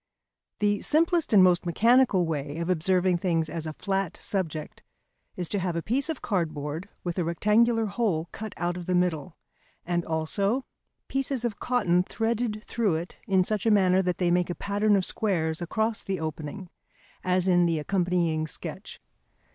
The simplest and most mechanical way of observing things as a flat subject is to have a piece of cardboard with a rectangular hole cut out of the middle, and also pieces of cotton threaded through it in such a manner that they make a pattern of squares across the opening, as in the accompanying sketch.